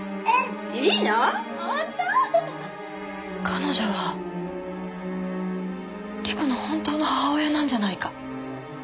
彼女は陸の本当の母親なんじゃないか？